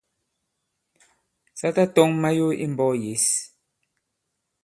Sa tatɔ̄ŋ mayo i mbɔ̄k yěs.